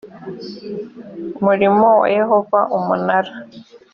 murimo wa yehova umunara